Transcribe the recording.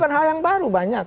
bukan hal yang baru banyak